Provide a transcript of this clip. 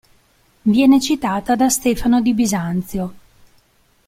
Viene citata da Stefano di Bisanzio.